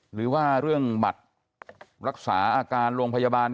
หรือว่าเรื่องบัตรรักษาอาการโรงพยาบาล